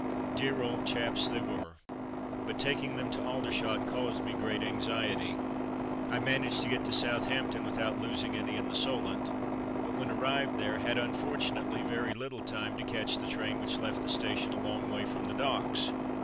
Dear old chaps they were, but taking them to Alder shot caused me great anxiety. I managed to get to Southampton without losing any in the Solent, but, when arrived there, had unfortunately very little time to catch the train which left the station a long way from the docks.